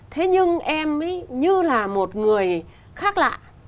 thế nhưng em ấy như là một người khác lạ